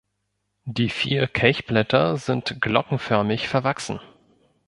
Die vier Kelchblätter sind glockenförmig verwachsen.